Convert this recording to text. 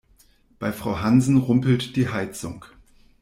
Bei Frau Hansen rumpelt die Heizung.